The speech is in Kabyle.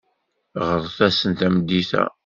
Ɣret-asen tameddit-a.